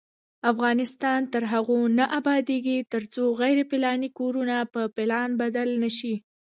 افغانستان تر هغو نه ابادیږي، ترڅو غیر پلاني کورونه په پلان بدل نشي.